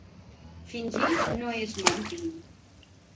Fingir no és mentir.